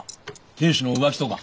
亭主の浮気とか？